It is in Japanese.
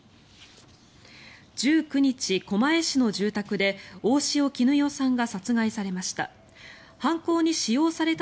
１９日、狛江市の住宅で大塩衣與さんが殺害されました。